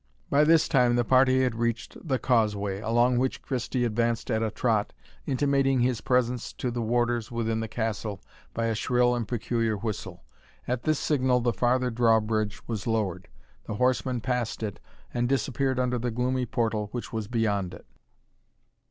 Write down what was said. By this time the party had reached the causeway, along which Christie advanced at a trot, intimating his presence to the warders within the castle by a shrill and peculiar whistle. At this signal the farther drawbridge was lowered. The horseman passed it, and disappeared under the gloomy portal which was beyond it.